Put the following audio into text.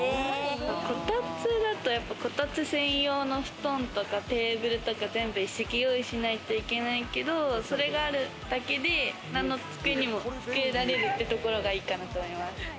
コタツだと専用の布団とかテーブルとか一式用意しないといけないけど、それがあるだけで、どんな机にも付けられるっていうところがいいと思います。